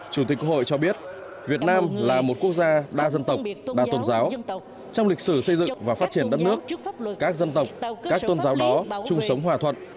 chủ tịch hội cho biết việt nam là một quốc gia đa dân tộc đa tôn giáo trong lịch sử xây dựng và phát triển đất nước các dân tộc các tôn giáo đó chung sống hòa thuận